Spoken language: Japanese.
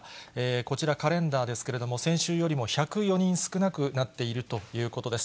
こちら、カレンダーですけれども、先週よりも１０４人少なくなっているということです。